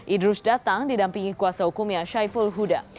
idrus datang didampingi kuasa hukumnya syaiful huda